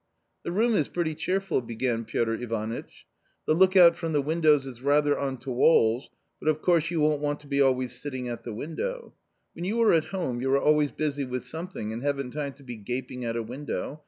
"The room is pretty cheerful," began Pictr Ivanitch; " the look out from the windows is rather on to walls, but of course you won't want to be always sitting at the window ; when you are at home, you are always busy with something and haven't time to be gaping at a window.